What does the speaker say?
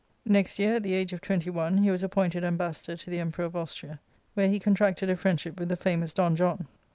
Next year, at the age of twenty one, he was appointed suBbassador^iO^the Emperor of Austria, where he contracted a friendship with the famous Don John.